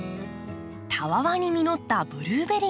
たわわに実ったブルーベリーの森。